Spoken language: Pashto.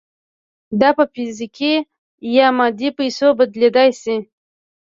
دا په فزیکي یا مادي پیسو بدلېدای شي